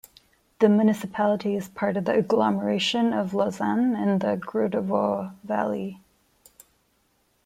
The municipality is part of the agglomeration of Lausanne in the Gros-de-Vaud valley.